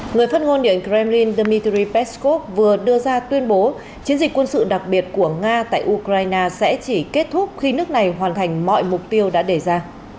người phát ngôn điện kremlin dmitry peskov vừa đưa ra tuyên bố chiến dịch quân sự đặc biệt của nga tại ukraine sẽ chỉ kết thúc khi nước này hoàn thành mọi mục tiêu đã đề ra